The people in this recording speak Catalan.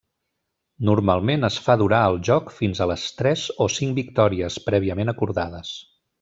Normalment es fa durar el joc fins a les tres o cinc victòries, prèviament acordades.